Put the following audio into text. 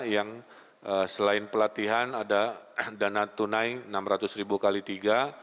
yang selain pelatihan ada dana tunai enam ratus ribu kali tiga